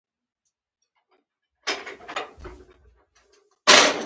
ګډ باور د سترې ادارې د بریا بنسټ دی.